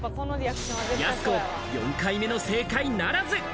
やす子、４回目の正解ならず。